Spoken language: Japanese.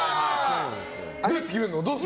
どうやって決めるの？